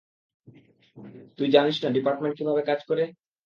তুই জানিস না ডিপার্টমেন্ট কিভাবে কাজ করে?